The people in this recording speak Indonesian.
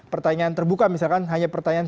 pertanyaan terbuka misalkan hanya pertanyaan